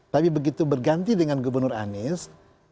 tapi begitu berganti dengan gubernur anies